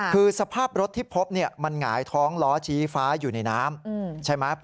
คือสภาพรถที่พบมันหงายท้องล้อชี้ฟ้าอยู่ในน้ำใช่ไหม